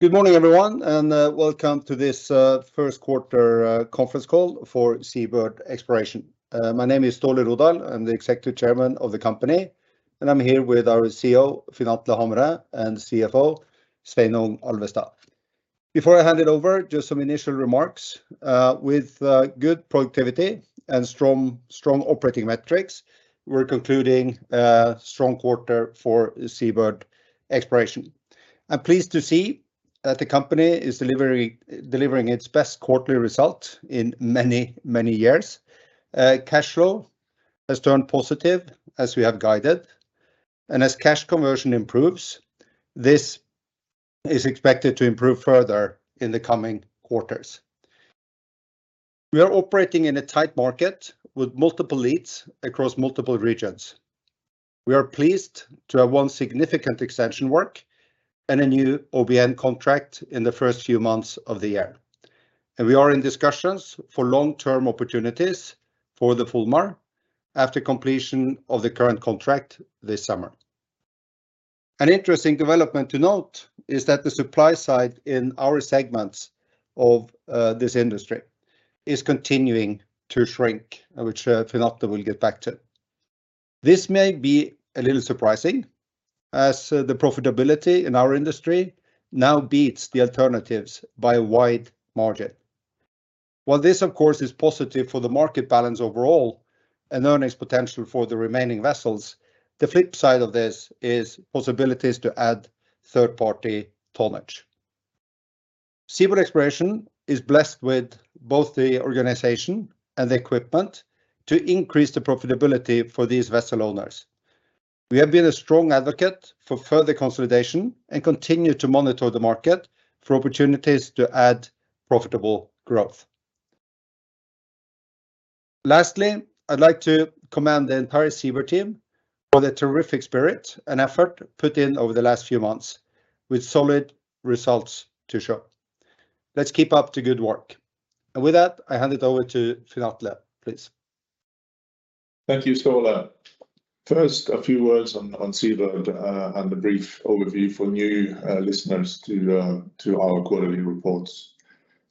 Good morning, everyone, and welcome to this first quarter conference call for Seabird Exploration. My name is Ståle Rodahl. I'm the executive chairman of the company, and I'm here with our CEO, Finn Atle Hamre, and CFO, Sveinung Alvestad. Before I hand it over, just some initial remarks. With good productivity and strong operating metrics, we're concluding a strong quarter for Seabird Exploration. I'm pleased to see that the company is delivering its best quarterly result in many, many years. Cash flow has turned positive as we have guided, and as cash conversion improves, this is expected to improve further in the coming quarters. We are operating in a tight market with multiple leads across multiple regions. We are pleased to have won significant extension work and a new OBN contract in the first few months of the year. We are in discussions for long-term opportunities for the Fulmar after completion of the current contract this summer. An interesting development to note is that the supply side in our segments of this industry is continuing to shrink, which Finn Atle will get back to. This may be a little surprising, as the profitability in our industry now beats the alternatives by a wide margin. While this of course is positive for the market balance overall and earnings potential for the remaining vessels, the flip side of this is possibilities to add third-party tonnage. Seabird Exploration is blessed with both the organization and equipment to increase the profitability for these vessel owners. We have been a strong advocate for further consolidation and continue to monitor the market for opportunities to add profitable growth. Lastly, I'd like to commend the entire Seabird team for their terrific spirit and effort put in over the last few months with solid results to show. Let's keep up the good work. With that, I hand it over to Finn Atle, please. Thank you, Ståle. First, a few words on Seabird, and a brief overview for new listeners to our quarterly reports.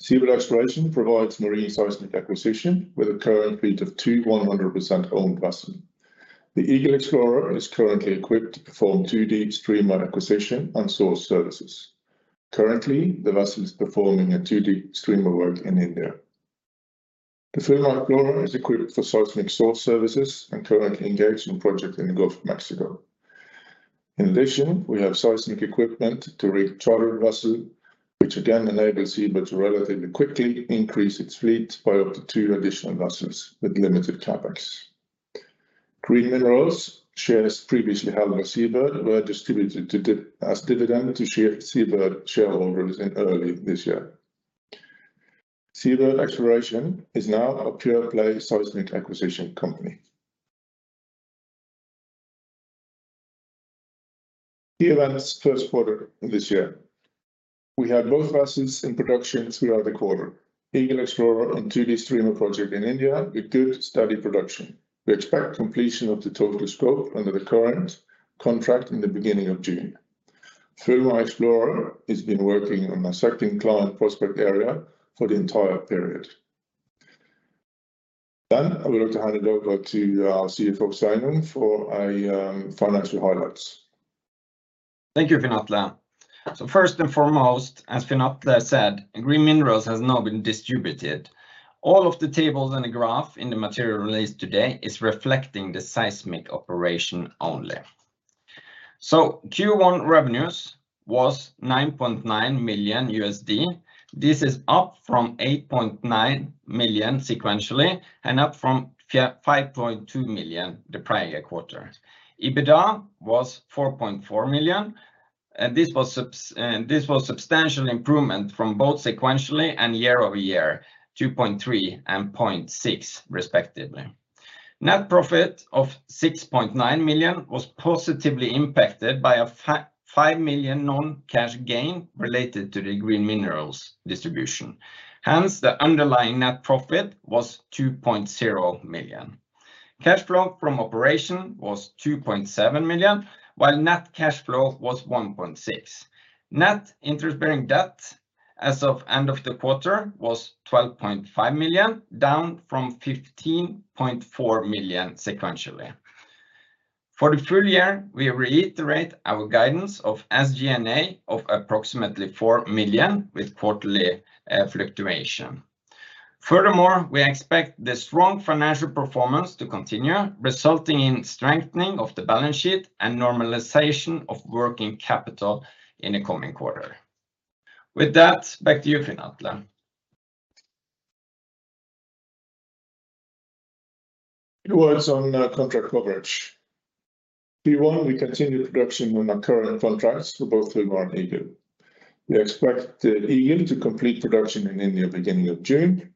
Seabird Exploration provides marine seismic acquisition with a current fleet of two 100% owned vessels. The Eagle Explorer is currently equipped to perform 2D streamer acquisition and source services. Currently, the vessel is performing a 2D streamer work in India. The Fulmar Explorer is equipped for seismic source services and currently engaged in project in the Gulf of Mexico. In addition, we have seismic equipment to recharter vessel, which again enables Seabird to relatively quickly increase its fleet by up to two additional vessels with limited CapEx. Green Minerals shares previously held by Seabird were distributed as dividend to Seabird shareholders in early this year. Seabird Exploration is now a pure-play seismic acquisition company. Key events first quarter this year. We had both vessels in production throughout the quarter. Eagle Explorer on 2D streamer project in India with good steady production. We expect completion of the total scope under the current contract in the beginning of June. Fulmar Explorer has been working on a certain client prospect area for the entire period. I would like to hand it over to our CFO, Sveinung, for a financial highlights. Thank you, Finn Atle. First and foremost, as Finn Atle said, Green Minerals AS has now been distributed. All of the tables and the graph in the material released today is reflecting the seismic operation only. Q1 revenues was $9.9 million USD. This is up from $8.9 million sequentially and up from $5.2 million the prior quarter. EBITDA was $4.4 million, and this was substantial improvement from both sequentially and year-over-year, $2.3 million and $0.6 million respectively. Net profit of $6.9 million was positively impacted by a $5 million non-cash gain related to the Green Minerals AS distribution. Hence, the underlying net profit was $2.0 million. Cash flow from operation was $2.7 million, while net cash flow was $1.6 million. Net interest-bearing debt as of end of the quarter was $12.5 million, down from $15.4 million sequentially. For the full year, we reiterate our guidance of SG&A of approximately $4 million with quarterly fluctuation. Furthermore, we expect the strong financial performance to continue, resulting in strengthening of the balance sheet and normalization of working capital in the coming quarter. With that, back to you, Finn Atle. A few words on contract coverage. Q1 we continued production on our current contracts for both Fulmar and Eagle. We expect Eagle to complete production in India beginning of June.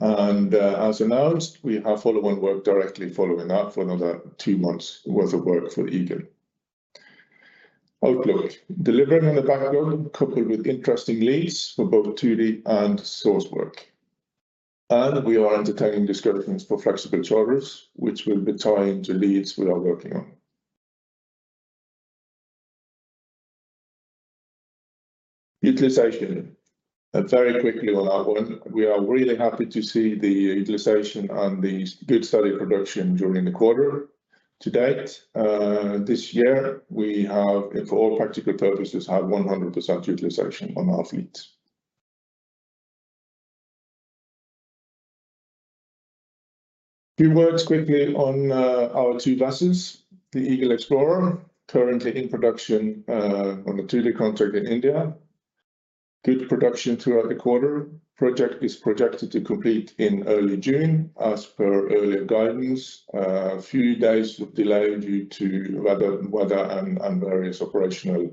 As announced, we have follow-on work directly following that for another two months worth of work for Eagle. Outlook. Delivering on the backlog coupled with interesting leads for both 2D and source work. We are entertaining discussions for flexible charters, which will be tied to leads we are working on. Utilization. Very quickly on our one, we are really happy to see the utilization and the good steady production during the quarter. To date, this year we have, for all practical purposes, had 100% utilization on our fleet. A few words quickly on our two vessels. The Eagle Explorer, currently in production, on a 2D contract in India. Good production throughout the quarter. Project is projected to complete in early June as per earlier guidance. A few days of delay due to weather and various operational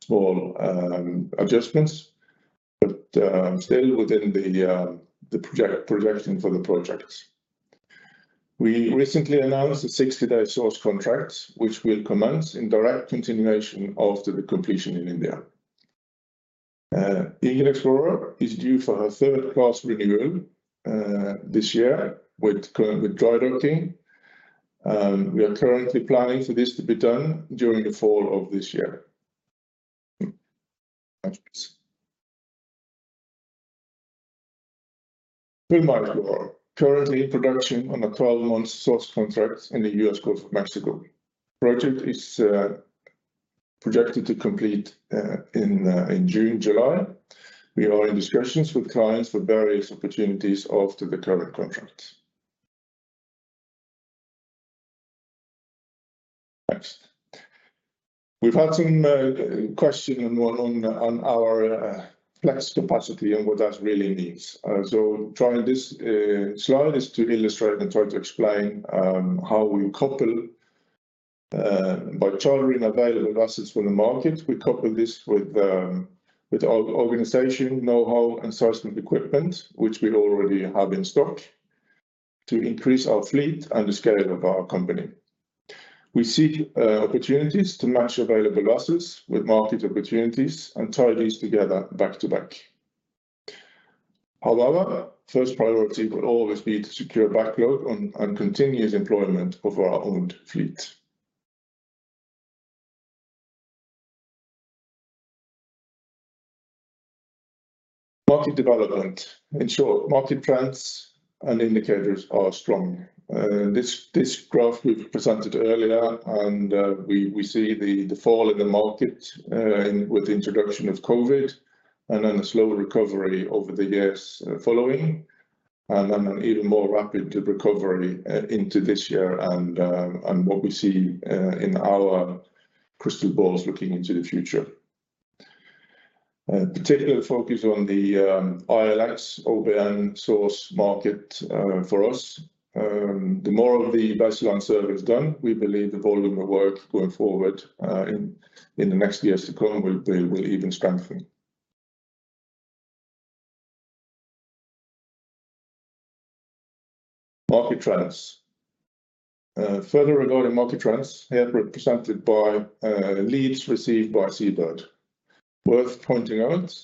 small adjustments, but still within the project-projection for the project. We recently announced a 60-day source contract which will commence in direct continuation after the completion in India. Eagle Explorer is due for her third class renewal this year with dry docking. We are currently planning for this to be done during the fall of this year. Next. Fulmar, currently in production on a 12-month source contract in the U.S. Gulf of Mexico. Project is projected to complete in June, July. We are in discussions with clients for various opportunities after the current contract. Next. We've had some question on our flex capacity and what that really means. Trying this slide is to illustrate and try to explain how we couple by chartering available vessels from the market. We couple this with our organization know-how and seismic equipment, which we already have in stock, to increase our fleet and the scale of our company. We seek opportunities to match available vessels with market opportunities and tie these together back to back. However, first priority will always be to secure backload on continuous employment of our owned fleet. Market development. In short, market trends and indicators are strong. This graph we presented earlier, we see the fall in the market with the introduction of COVID, then a slow recovery over the years following, then an even more rapid recovery into this year and what we see in our crystal balls looking into the future. A particular focus on the ILX/OBN source market for us. The more of the baseline survey is done, we believe the volume of work going forward in the next years to come will even strengthen. Market trends. Further regarding market trends, here represented by leads received by Seabird. Worth pointing out,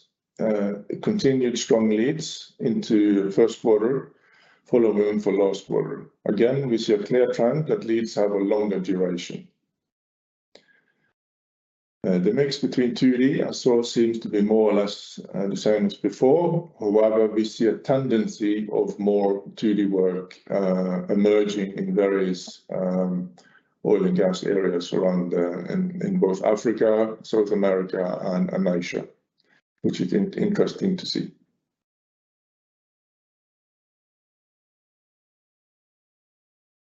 continued strong leads into first quarter following for last quarter. Again, we see a clear trend that leads have a longer duration. The mix between 2D and source seems to be more or less the same as before. We see a tendency of more 2D work emerging in various oil and gas areas around in both Africa, South America and Asia, which is interesting to see.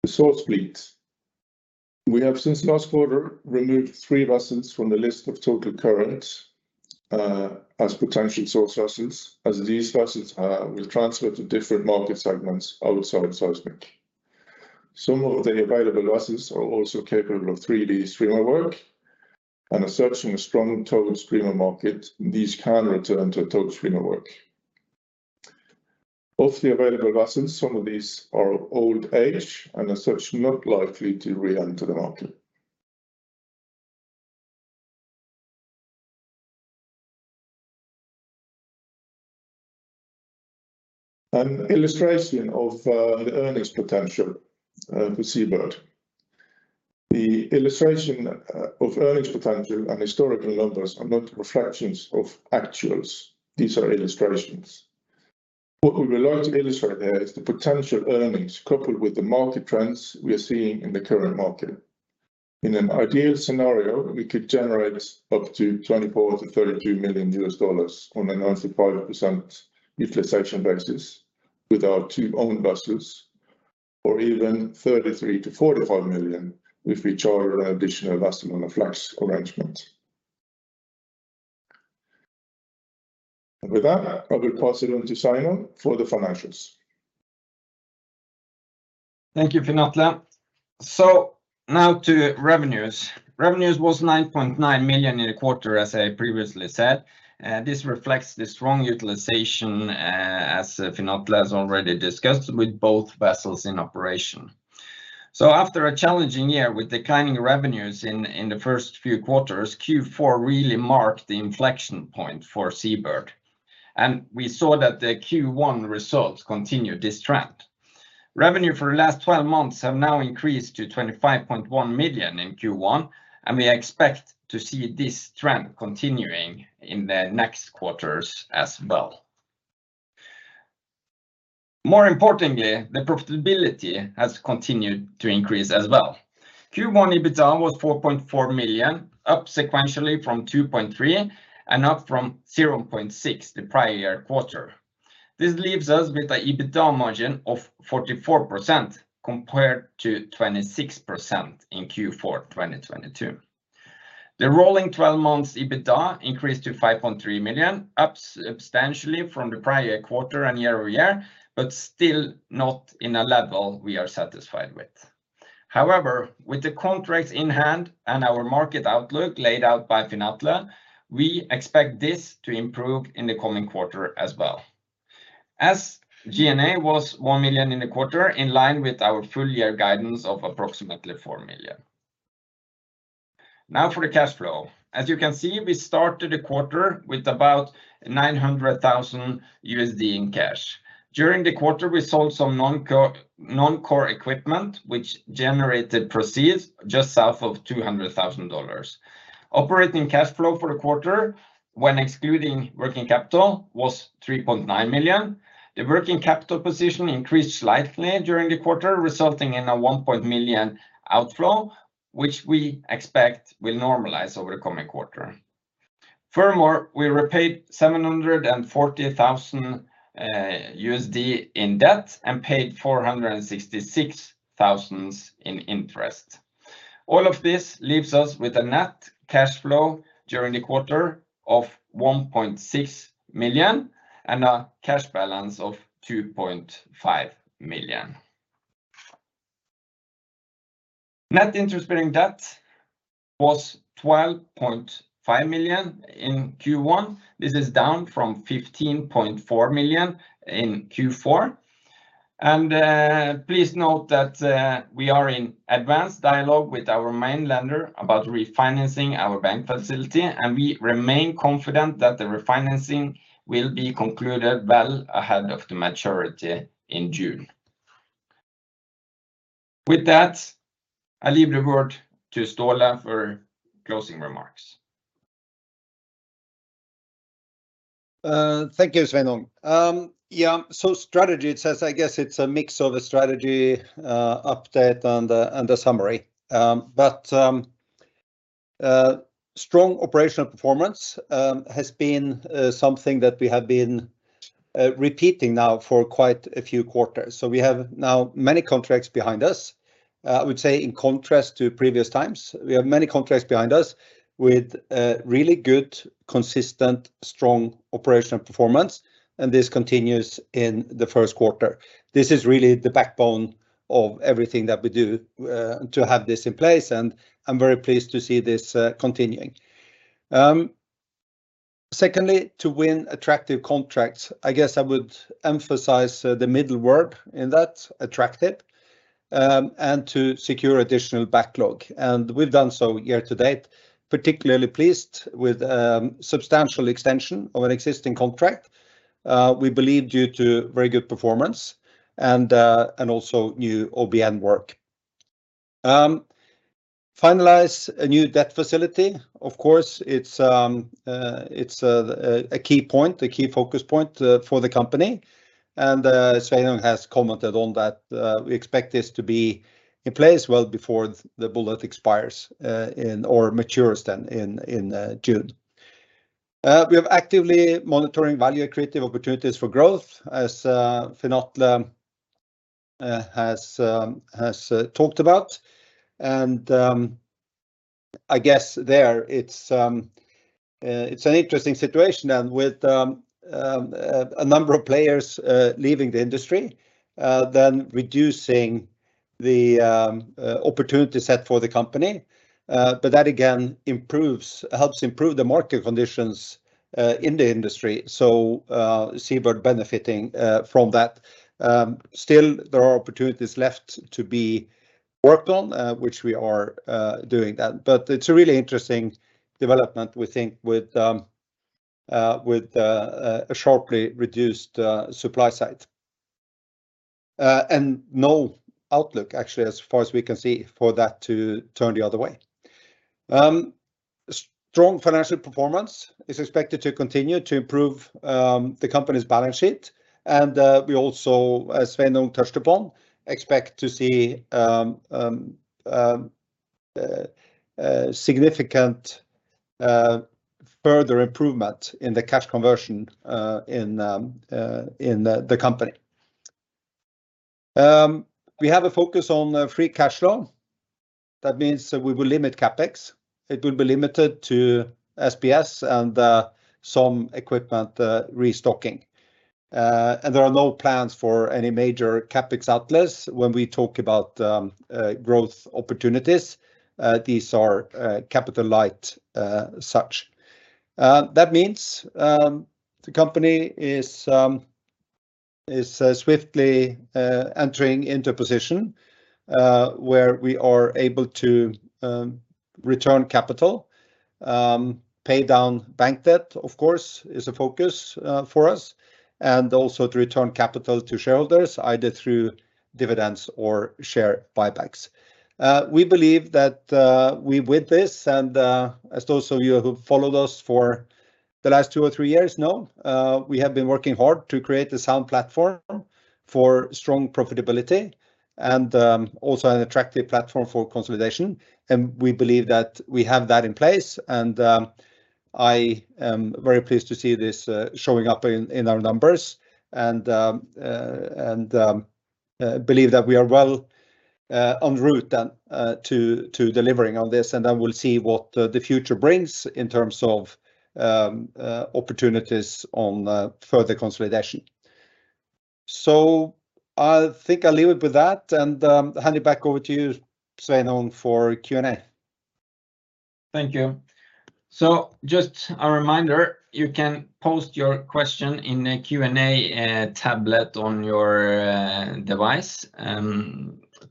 The source fleet. We have since last quarter removed three vessels from the list of total current as potential source vessels, as these vessels will transfer to different market segments outside seismic. Some of the available vessels are also capable of 3D streamer work, and as such in a strong towed streamer market, these can return to towed streamer work. Of the available vessels, some of these are old age and as such not likely to re-enter the market. An illustration of the earnings potential for Seabird. The illustration of earnings potential and historical numbers are not reflections of actuals. These are illustrations. What we would like to illustrate here is the potential earnings coupled with the market trends we are seeing in the current market. In an ideal scenario, we could generate up to $24 million-$32 million on a 95% utilization basis with our two owned vessels, or even $33 million-$45 million if we charter an additional vessel on a flex arrangement. With that, I will pass it on to Simon for the financials. Thank you, Finn Atle. Now to revenues. Revenues was $9.9 million in the quarter, as I previously said. This reflects the strong utilization, as Finn Atle has already discussed with both vessels in operation. After a challenging year with declining revenues in the first few quarters, Q4 really marked the inflection point for Seabird, and we saw that the Q1 results continued this trend. Revenue for the last 12 months have now increased to $25.1 million in Q1, and we expect to see this trend continuing in the next quarters as well. More importantly, the profitability has continued to increase as well. Q1 EBITA was $4.4 million, up sequentially from $2.3 million and up from $0.6 million the prior quarter. This leaves us with a EBITA margin of 44% compared to 26% in Q4 2022. The rolling 12 months EBITA increased to $5.3 million, up substantially from the prior quarter and year-over-year. Still not in a level we are satisfied with. However, with the contracts in hand and our market outlook laid out by Finatla, we expect this to improve in the coming quarter as well. G&A was $1 million in the quarter, in line with our full year guidance of approximately $4 million. Now for the cash flow. You can see, we started the quarter with about $900,000 in cash. During the quarter, we sold some non-core equipment, which generated proceeds just south of $200,000. Operating cash flow for the quarter, when excluding working capital, was $3.9 million. The working capital position increased slightly during the quarter, resulting in a $1 million outflow, which we expect will normalize over the coming quarter. Furthermore, we repaid $740,000 in debt and paid $466,000 in interest. All of this leaves us with a net cash flow during the quarter of $1.6 million and a cash balance of $2.5 million. Net interest-bearing debt was $12.5 million in Q1. This is down from $15.4 million in Q4. Please note that we are in advanced dialogue with our main lender about refinancing our bank facility, and we remain confident that the refinancing will be concluded well ahead of the maturity in June. With that, I leave the word to Ståle for closing remarks. Thank you, Sveinung. It says, I guess it's a mix of a strategy update and a summary. Strong operational performance has been something that we have been repeating now for quite a few quarters. We have now many contracts behind us. I would say in contrast to previous times, we have many contracts behind us with really good, consistent, strong operational performance, and this continues in the first quarter. This is really the backbone of everything that we do, to have this in place, and I'm very pleased to see this continuing. Secondly, to win attractive contracts, I guess I would emphasize the middle word in that, attractive, and to secure additional backlog. We've done so year to date, particularly pleased with substantial extension of an existing contract, we believe due to very good performance and also new OBN work. Finalize a new debt facility. Of course, it's a key point, a key focus point for the company. Sveinung has commented on that. We expect this to be in place well before the bullet expires or matures in June. We have actively monitoring value creative opportunities for growth as Finatla has talked about. I guess there it's an interesting situation and with a number of players leaving the industry, then reducing the opportunity set for the company. That again improves, helps improve the market conditions in the industry. Seabird benefiting from that. Still there are opportunities left to be worked on, which we are doing that. But it's a really interesting development we think with a sharply reduced supply side and no outlook actually as far as we can see for that to turn the other way. Strong financial performance is expected to continue to improve the company's balance sheet. We also, as Sveinung Alvestad touched upon, expect to see significant further improvement in the cash conversion in the company. We have a focus on free cash flow. That means that we will limit CapEx. It will be limited to SBS and some equipment restocking. There are no plans for any major CapEx outlets when we talk about growth opportunities. These are capital light, such. That means the company is swiftly entering into position where we are able to return capital. Pay down bank debt, of course, is a focus for us, and also to return capital to shareholders, either through dividends or share buybacks. We believe that we, with this, and as those of you who followed us for the last two or three years know, we have been working hard to create a sound platform for strong profitability and also an attractive platform for consolidation, and we believe that we have that in place. I am very pleased to see this showing up in in our numbers and and believe that we are well on route then to to delivering on this. We'll see what the future brings in terms of opportunities on further consolidation. I think I'll leave it with that and hand it back over to you, Sveinung, for Q&A. Thank you. Just a reminder, you can post your question in the Q&A tablet on your device,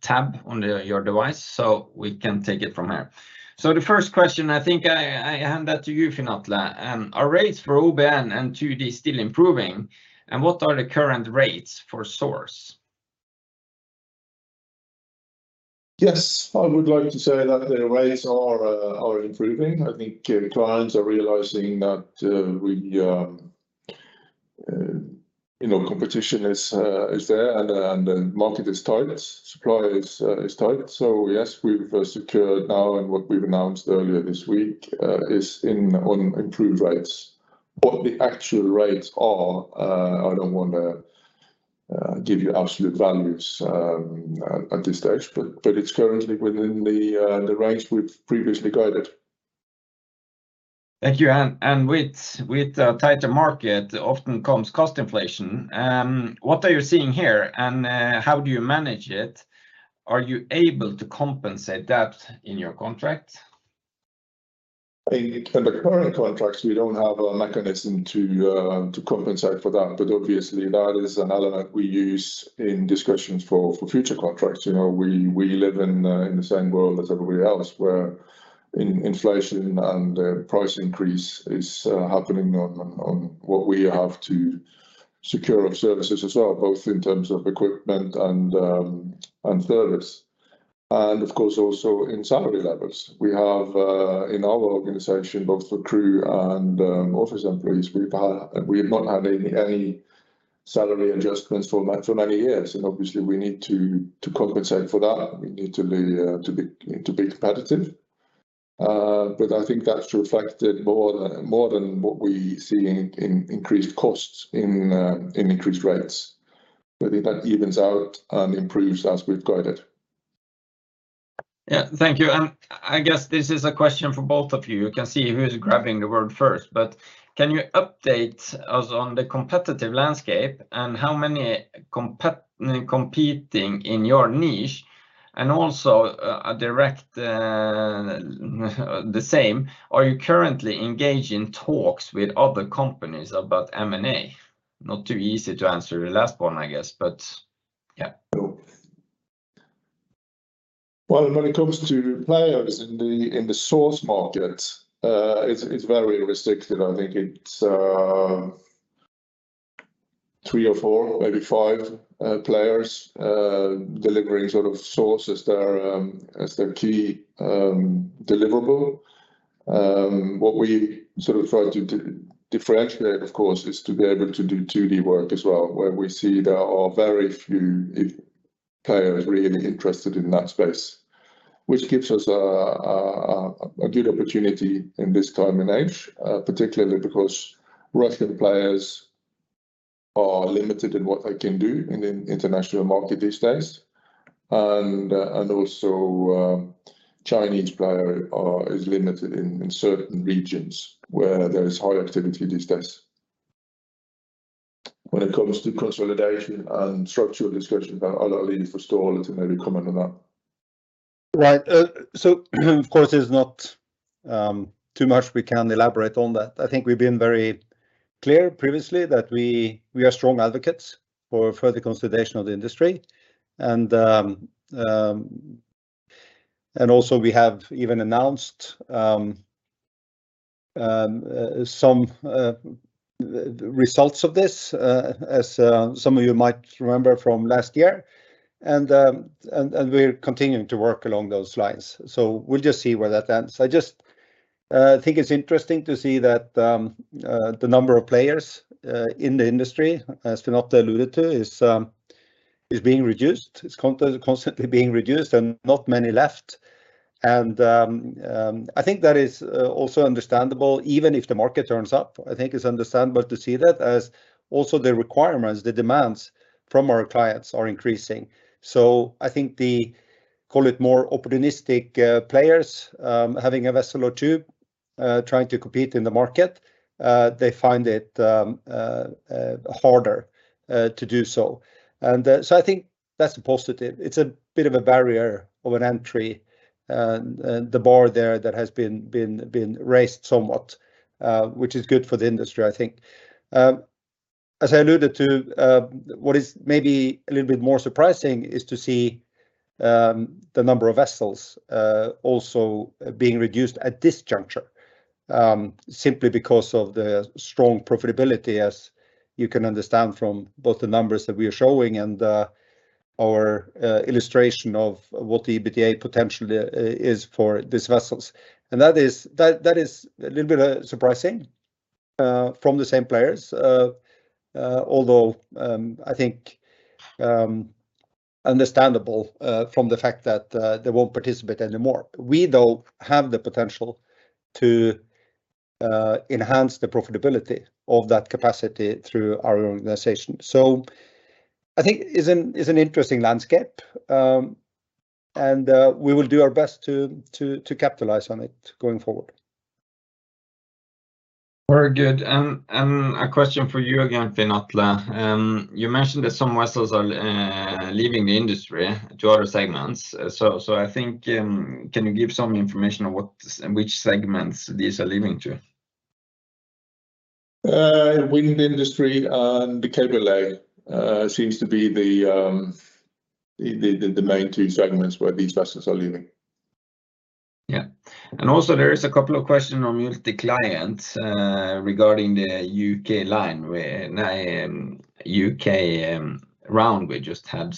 tab on your device so we can take it from here. The first question, I think I hand that to you, Finn Atle. Are rates for OBN and 2D still improving? What are the current rates for source? Yes, I would like to say that the rates are improving. I think the clients are realizing that, we, you know, competition is there and the market is tight. Supply is tight. Yes, we've secured now, and what we've announced earlier this week, on improved rates. What the actual rates are, I don't want to give you absolute values at this stage, but it's currently within the range we've previously guided. Thank you. With tighter market often comes cost inflation. What are you seeing here, and, how do you manage it? Are you able to compensate that in your contract? In the current contracts, we don't have a mechanism to compensate for that. Obviously that is an element we use in discussions for future contracts. You know, we live in the same world as everybody else, where inflation and price increase is happening on what we have to secure of services as well, both in terms of equipment and service. Of course also in salary levels. We have in our organization, both for crew and office employees, we have not had any salary adjustments for many years, and obviously we need to compensate for that. We need to be competitive. I think that's reflected more than what we see in increased costs in increased rates. that evens out and improves as we've guided. Yeah. Thank you. I guess this is a question for both of you. You can see who's grabbing the word first. Can you update us on the competitive landscape and how many competing in your niche and also, a direct, the same. Are you currently engaged in talks with other companies about M&A? Not too easy to answer the last one, I guess, but yeah. Well, when it comes to players in the source market, it's very restricted. I think it's three or four, maybe five players delivering sort of sources that are as their key deliverable. What we sort of try to differentiate, of course, is to be able to do 2D work as well, where we see there are very few players really interested in that space, which gives us a good opportunity in this time and age, particularly because Russian players are limited in what they can do in the international market these days. Also, Chinese player are, is limited in certain regions where there is high activity these days. When it comes to consolidation and structural discussions, I'll leave for Ståle to maybe comment on that. Right. Of course, there's not too much we can elaborate on that. I think we've been very clear previously that we are strong advocates for further consolidation of the industry. Also we have even announced some results of this as some of you might remember from last year. We're continuing to work along those lines. We'll just see where that ends. I just think it's interesting to see that the number of players in the industry, as Finn-Atle alluded to, is being reduced. It's constantly being reduced and not many left. I think that is also understandable. Even if the market turns up, I think it's understandable to see that as also the requirements, the demands from our clients are increasing. I think the, call it more opportunistic, players, having a vessel or two, trying to compete in the market, they find it harder to do so. That's a positive. It's a bit of a barrier of an entry, the bar there that has been raised somewhat, which is good for the industry, I think. As I alluded to, what is maybe a little bit more surprising is to see the number of vessels also being reduced at this juncture, simply because of the strong profitability, as you can understand from both the numbers that we are showing and our illustration of what the EBITDA potentially is for these vessels. That is, that is a little bit surprising from the same players. Although, I think understandable from the fact that they won't participate anymore. We, though, have the potential to enhance the profitability of that capacity through our organization. I think is an interesting landscape, and we will do our best to capitalize on it going forward. Very good. A question for you again, Finn Atle. You mentioned that some vessels are leaving the industry to other segments. I think, can you give some information on which segments these are leaving to? Wind industry and the cable lay seems to be the main two segments where these vessels are leaving. Yeah. Also there is a couple of questions on multi-client, regarding the UK line when, UK round we just had.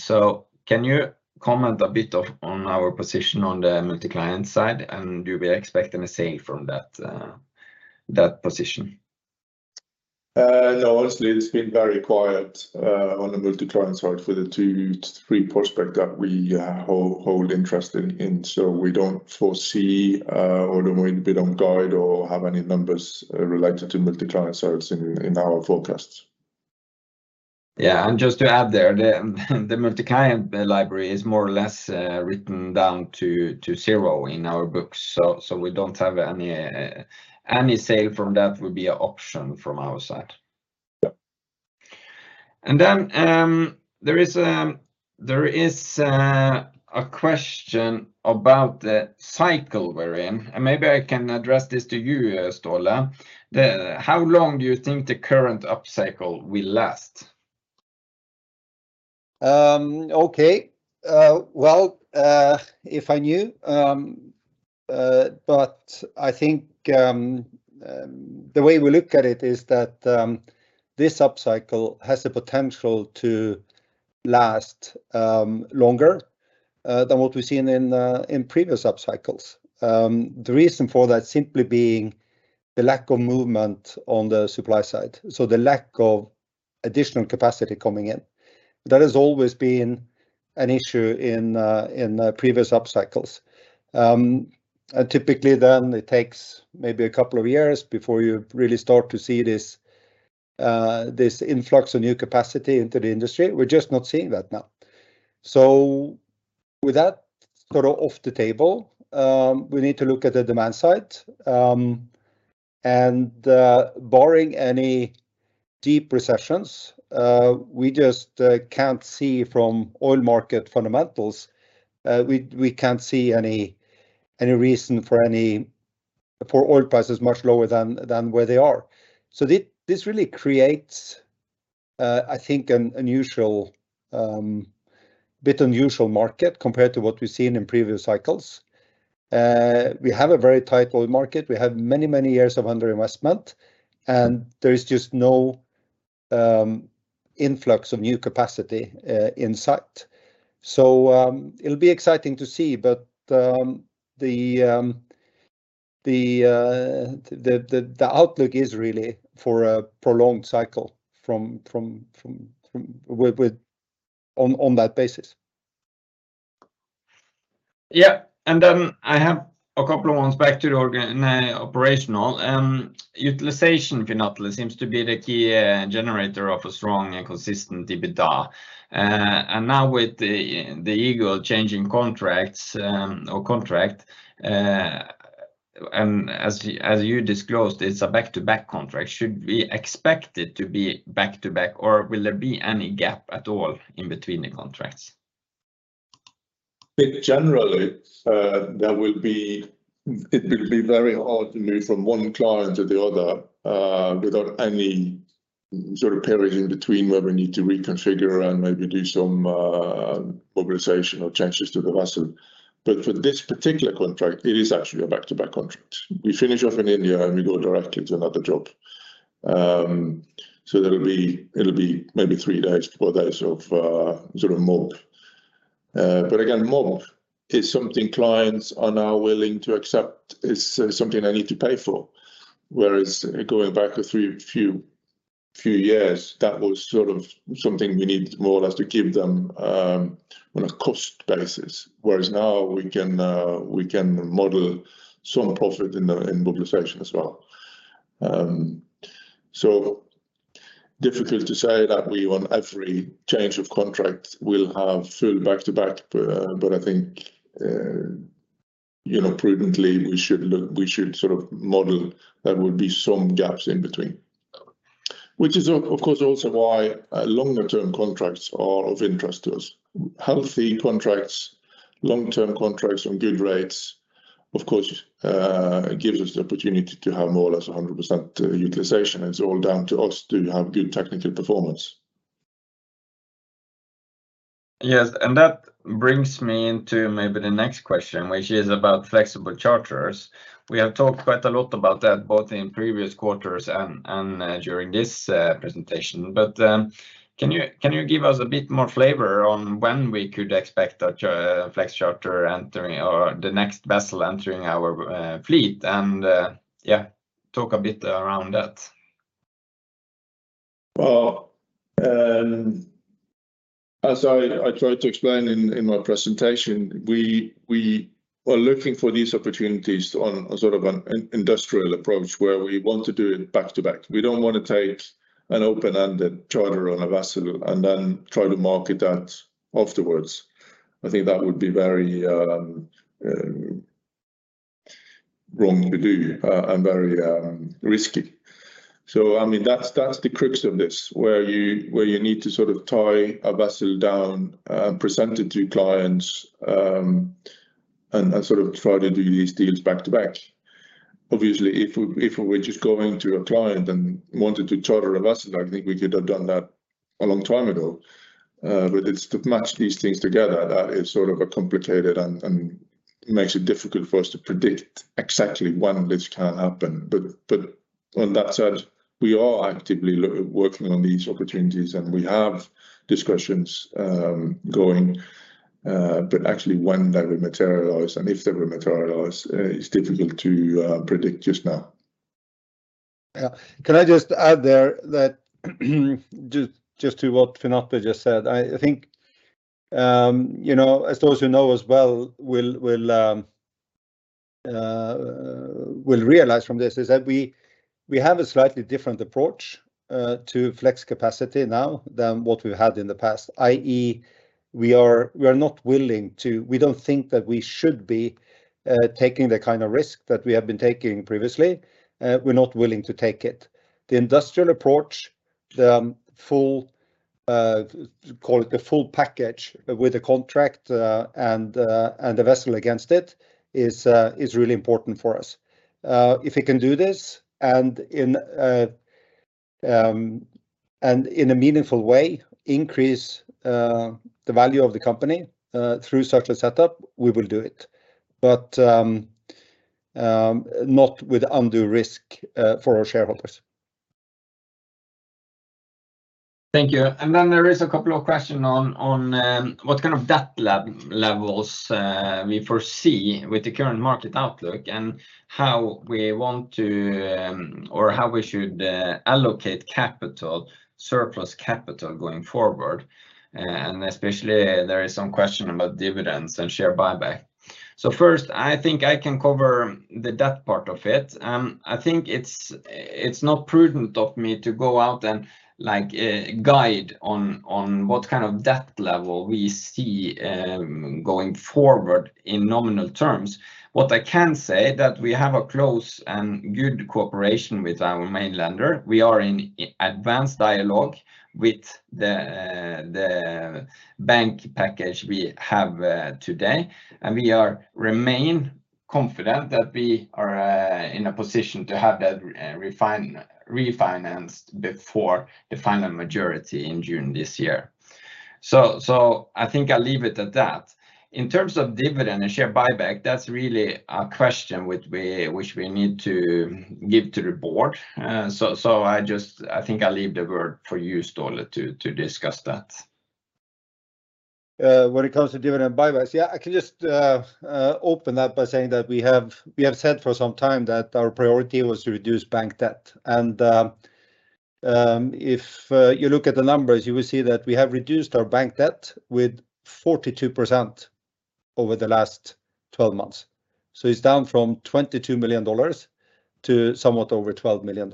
Can you comment a bit on our position on the multi-client side? Do we expect any sale from that position? No. Honestly, it's been very quiet on the multi-client side for the two to three prospects that we hold interest in. We don't foresee, or don't want to put on guide or have any numbers related to multi-client services in our forecasts. Yeah. Just to add there, the multi-client library is more or less written down to zero in our books. We don't have any any sale from that would be an option from our side. Yeah. There is a question about the cycle we're in, and maybe I can address this to you, Ståle. How long do you think the current upcycle will last? Okay. Well, if I knew. I think the way we look at it is that this upcycle has the potential to last longer than what we've seen in previous upcycles. The reason for that simply being the lack of movement on the supply side. The lack of additional capacity coming in. That has always been an issue in previous upcycles. Typically then it takes maybe a couple of years before you really start to see this influx of new capacity into the industry. We're just not seeing that now. With that sort of off the table, we need to look at the demand side, and barring any deep recessions, we just can't see from oil market fundamentals, we can't see any reason for oil prices much lower than where they are. This really creates, I think an unusual, bit unusual market compared to what we've seen in previous cycles. We have a very tight oil market. We have many years of underinvestment, and there is just no influx of new capacity in sight. It'll be exciting to see. The outlook is really for a prolonged cycle on that basis. Then I have a couple of ones back to the operational. Utilization, Finn Atle, seems to be the key generator of a strong and consistent EBITDA. Now with the Eagle changing contracts, or contract, and as you, as you disclosed, it's a back-to-back contract. Should we expect it to be back-to-back, or will there be any gap at all in between the contracts? I think generally, it will be very hard to move from one client to the other, without any sort of period in between where we need to reconfigure and maybe do some mobilization or changes to the vessel. For this particular contract, it is actually a back-to-back contract. We finish off in India, we go directly to another job. It'll be maybe three days, four days of sort of mob. Again, mob is something clients are now willing to accept. It's something they need to pay for. Going back a few years, that was sort of something we need more or less to give them on a cost basis. Now we can model some profit in the mobilization as well. Difficult to say that we on every change of contract will have full back-to-back. I think, you know, prudently, we should sort of model there will be some gaps in between. Which is of course also why longer term contracts are of interest to us. Healthy contracts, long-term contracts on good rates, of course, gives us the opportunity to have more or less a 100% utilization. It's all down to us to have good technical performance. Yes. That brings me into maybe the next question, which is about flexible charters. We have talked quite a lot about that, both in previous quarters and during this presentation. Can you give us a bit more flavor on when we could expect a flexible charter entering or the next vessel entering our fleet? Yeah, talk a bit around that. Well, as I tried to explain in my presentation, we are looking for these opportunities on sort of an industrial approach where we want to do it back to back. We don't want to take an open-ended charter on a vessel and then try to market that afterwards. I think that would be very wrong to do and very risky. I mean, that's the crux of this, where you need to sort of tie a vessel down, present it to clients, and sort of try to do these deals back to back. Obviously, if we were just going to a client and wanted to charter a vessel, I think we could have done that a long time ago. It's to match these things together that is sort of a complicated and makes it difficult for us to predict exactly when this can happen. On that side, we are actively working on these opportunities and we have discussions going, but actually when they will materialize and if they will materialize, is difficult to predict just now. Yeah. Can I just add there that just to what Finn Atle just said, I think, you know, as those who know us well will realize from this is that we have a slightly different approach to flex capacity now than what we've had in the past, i.e. we are not willing to. We don't think that we should be taking the kind of risk that we have been taking previously. We're not willing to take it. The industrial approach, the full, call it the full package with a contract, and a vessel against it is really important for us. If we can do this and in a meaningful way increase the value of the company through such a setup, we will do it. Not with undue risk for our shareholders. Thank you. There is a couple of question on what kind of debt levels we foresee with the current market outlook and how we want to, or how we should allocate capital, surplus capital going forward. Especially there is some question about dividends and share buyback. First, I think I can cover the debt part of it. I think it's not prudent of me to go out and, like, guide on what kind of debt level we see going forward in nominal terms. What I can say that we have a close and good cooperation with our main lender. We are in advanced dialogue with the bank package we have today. We are remain confident that we are in a position to have that refinanced before the final majority in June this year. I think I'll leave it at that. In terms of dividend and share buyback, that's really a question which we need to give to the board. I just, I think I'll leave the word for you, Ståle, to discuss that. When it comes to dividend buybacks, yeah, I can just open that by saying that we have said for some time that our priority was to reduce bank debt. If you look at the numbers, you will see that we have reduced our bank debt with 42% over the last 12 months. It's down from $22 million to somewhat over $12 million.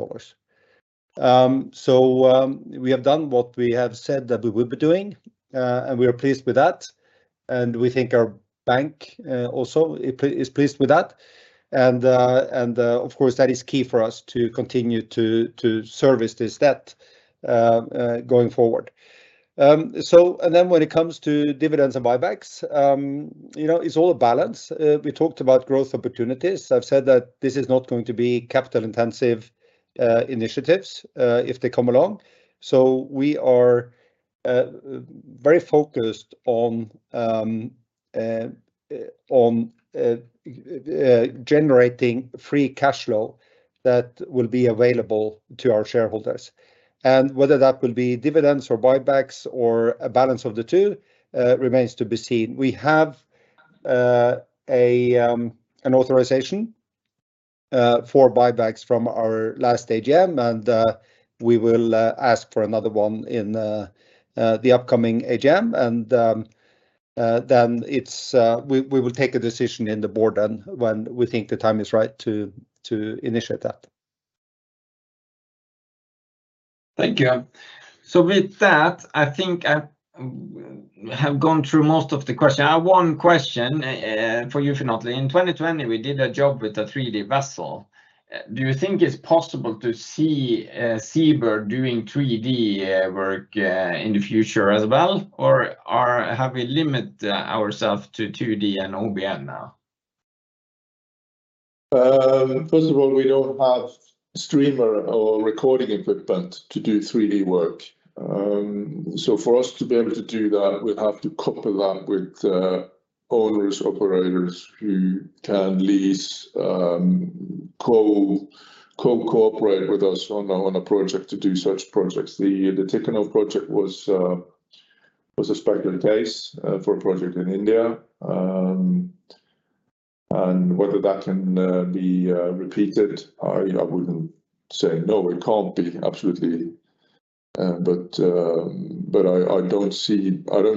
We have done what we have said that we would be doing, and we are pleased with that, and we think our bank also is pleased with that. Of course, that is key for us to continue to service this debt going forward. When it comes to dividends and buybacks, you know, it's all a balance. We talked about growth opportunities. I've said that this is not going to be capital intensive initiatives if they come along. We are very focused on generating free cash flow that will be available to our shareholders. Whether that will be dividends or buybacks or a balance of the two remains to be seen. We have an authorization for buybacks from our last AGM, and we will ask for another one in the upcoming AGM. Then it's we will take a decision in the board then when we think the time is right to initiate that. Thank you. With that, I think, have gone through most of the question. I have one question for you, Finn Atle. In 2020, we did a job with a 3D vessel. Do you think it's possible to see Seabird doing 3D work in the future as well? Or have we limit ourself to 2D and OBN now? First of all, we don't have streamer or recording equipment to do 3D work. For us to be able to do that, we'd have to couple that with owners, operators who can lease, cooperate with us on a project to do such projects. The Tikhonov project was a special case for a project in India. Whether that can be repeated, I wouldn't say, no, it can't be absolutely. I don't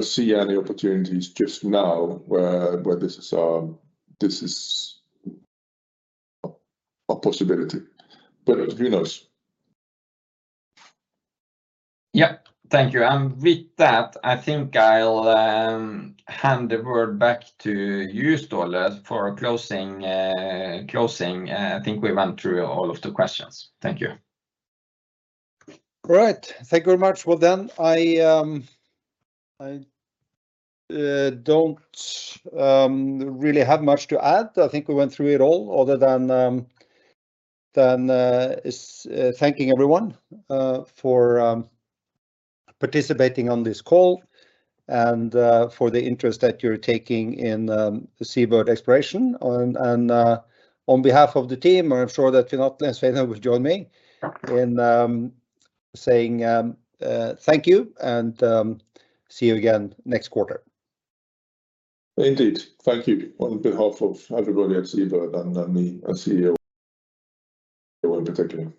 see any opportunities just now where this is a possibility. Who knows? Yeah. Thank you. With that, I think I'll hand the word back to you, Sturle, for closing. I think we went through all of the questions. Thank you. Great. Thank you very much. I don't really have much to add. I think we went through it all other than thanking everyone for participating on this call and for the interest that you're taking in Seabird Exploration. On behalf of the team, I'm sure that Finn Atle and Sveinung will join me in saying thank you and see you again next quarter. Indeed. Thank you on behalf of everybody at Seabird and me as CEO in particular.